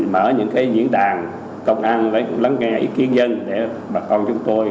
mở những cái diễn đàn công an lắng nghe ý kiến dân để bà con chúng tôi